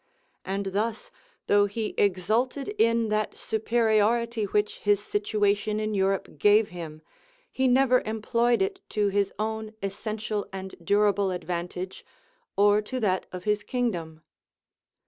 And thus, though he exulted in that superiority which his situation in Europe gave him, he never employed it to his own essential and durable advantage, or to that of his kingdom.